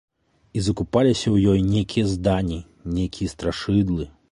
І закупаліся ў ёй нейкія здані, нейкія страшыдлы.